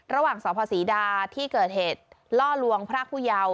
ระหว่างสพศรีดาที่เกิดเหตุล่อลวงพรากผู้เยาว์